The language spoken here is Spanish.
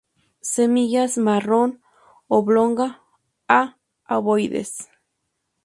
Semillas marrón, oblonga a ovoides.